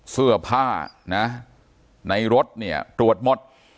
เสื้อผ้านะในรถเนี่ยตรวจหมด